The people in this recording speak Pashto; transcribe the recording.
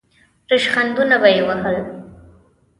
ریشخندونه به یې وهل.